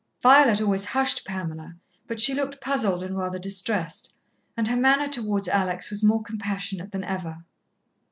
Violet always hushed Pamela, but she looked puzzled and rather distressed, and her manner towards Alex was more compassionate than ever.